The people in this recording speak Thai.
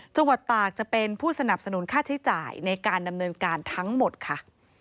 จังหวัดตากจะเป็นผู้สนับสนุนค่าใช้จ่ายในการดำเนินการทั้งหมดค่ะ